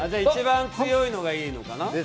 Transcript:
一番強いのがいいのかな？